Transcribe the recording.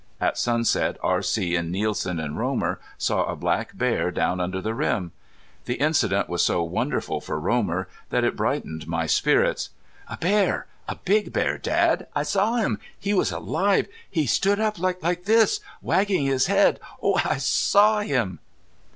At sunset R.C. and Nielsen and Romer saw a black bear down under the rim. The incident was so wonderful for Romer that it brightened my spirits. "A bear! A big bear, Dad!... I saw him! He was alive! He stood up like this wagging his head. Oh! I saw him!"